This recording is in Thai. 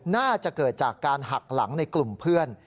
น่าจะเกิดจากการหักหลังในกลุ่มเพื่อน